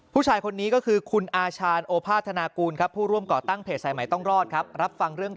ผู้ชายคนนี้ก็คือคุณอาชารโอภาธนากูลครับ